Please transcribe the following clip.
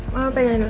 mama pegang dulu